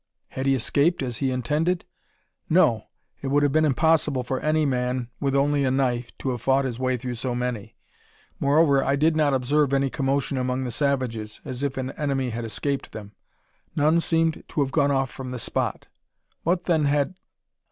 Had he escaped, as he intended? No; it would have been impossible for any man, with only a knife, to have fought his way through so many. Moreover, I did not observe any commotion among the savages, as if an enemy had escaped them. None seemed to have gone off from the spot. What then had